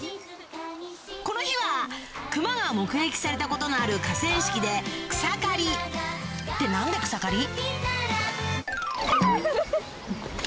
この日はクマが目撃されたことのある河川敷で草刈りって何で草刈り？